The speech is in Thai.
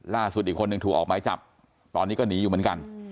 ล่าสุดอีกคนหนึ่งถูกออกไม้จับตอนนี้ก็หนีอยู่เหมือนกัน